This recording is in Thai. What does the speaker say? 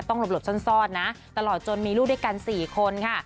หลบซ่อนนะตลอดจนมีลูกด้วยกัน๔คนค่ะ